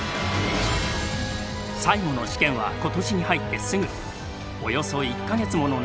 最後の試験は今年に入ってすぐおよそ１か月もの長きにわたり行われた。